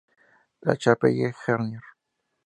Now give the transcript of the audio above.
La Chapelle-Hermier